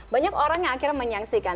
banyak orang yang akhirnya menyaksikan